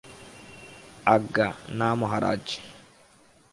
আজ্ঞা, না মহারাজ!